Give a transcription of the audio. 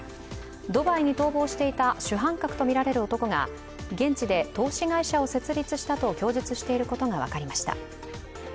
ドバイに逃亡していた主犯格とみられる男が現地で投資会社を設立したと供述していることが分かりました。